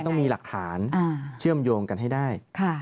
ต้องมีหลักฐานเชื่อมโยงกันให้ได้